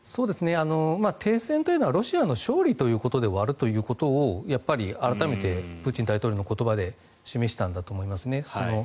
停戦というのはロシアの勝利ということで終わるということを、改めてプーチン大統領の言葉で示したんだと思います。